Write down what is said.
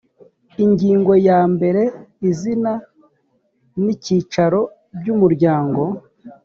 ingingo ya mbere izina n icyicaro by umuryango